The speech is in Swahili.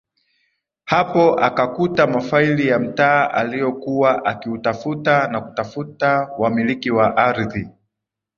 Hapo akakuta mafaili ya mtaa aliokuwa akiutafuta na kutafuta wamiliki wa ardhi